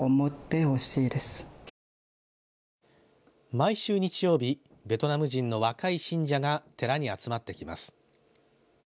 毎週日曜日、ベトナム人の若い信者が寺に集まってきます。